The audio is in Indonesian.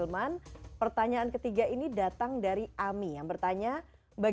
dan menjadi golongan yang pertama